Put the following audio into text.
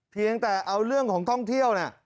เพียงแต่เอาเรื่องของท่องเที่ยวนะ